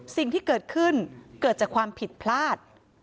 สิ่งที่เกิดขึ้นเกิดจากความผิดพลาด